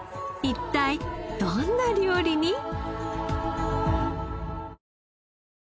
一体どんな料理に？